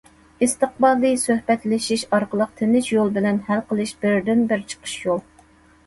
ئىستىقبالى: سۆھبەتلىشىش ئارقىلىق تىنچ يول بىلەن ھەل قىلىش بىردىن بىر چىقىش يول.